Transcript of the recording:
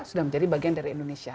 sudah menjadi bagian dari indonesia